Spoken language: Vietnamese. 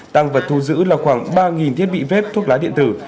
tức là khoảng ba thiết bị vép thuốc lá điện tử